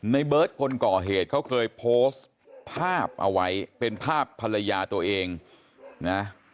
ในเบิร์ตคนก่อเหตุเขาเคยโพสต์ภาพเอาไว้เป็นภาพภรรยาตัวเองนะ